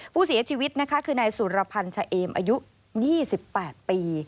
ผู้เสียชีวิตนะคะคือนายสุรพันธ์ชะเอมอายุ๒๘ปี